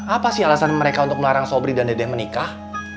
apa sih alasan mereka untuk melarang sobri dan dedek menikah